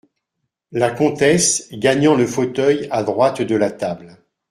La Comtesse , gagnant le fauteuil à droite de la table.